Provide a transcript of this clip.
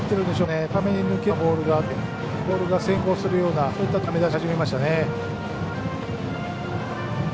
高めに抜けるようなボールがあってボールが先行するようなそういった投球が目立ち始めましたね。